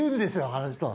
あの人は。